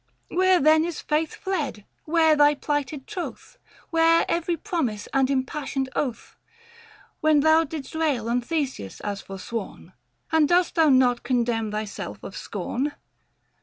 Where then is faith fled, where thy plighted troth, — 525 Where every promise and impassioned oath, — When thou didst rail on Theseus as forsworn ? And dost thou not condemn thyself of scorn